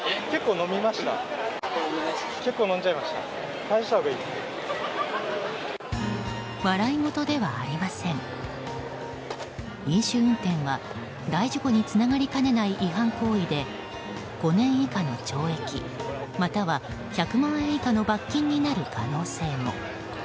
飲酒運転は、大事故につながりかねない違反行為で５年以下の懲役または１００万円以下の罰金になる可能性も。